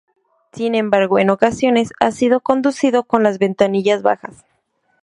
Sin embargo, en ocasiones ha sido conducido con las ventanillas bajas.